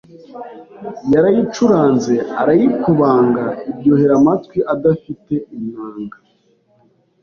Yarayicuranze arayikubanga Iryohera amatwi adafite inanga